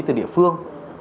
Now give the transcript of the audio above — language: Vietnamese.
từ địa phương